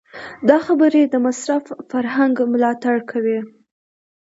دا خبرې د مصرف فرهنګ ملاتړ کوي.